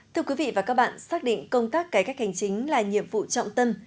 thưa quý vị và các bạn xác định công tác cải cách hành chính là nhiệm vụ trọng tâm